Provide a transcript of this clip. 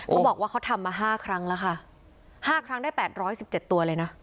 เขาบอกว่าเขาทำมาห้าครั้งแล้วค่ะห้าครั้งได้แปดร้อยสิบเจ็ดตัวเลยนะ